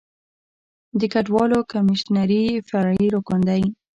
د کډوالو کمیشنري فرعي رکن دی.